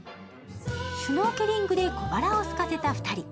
シュノーケリングで小腹をすかせた２人。